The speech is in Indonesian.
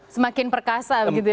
semakin perkasa gitu ya